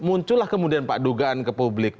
itulah kemudian pak dugan ke publik